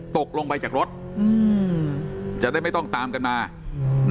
ตกลงไปจากรถอืมจะได้ไม่ต้องตามกันมาอืม